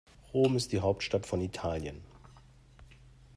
Rom ist die Hauptstadt von Italien.